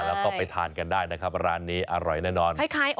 แล้วก็ไปทานกันได้นะครับร้านนี้อร่อยแน่นอน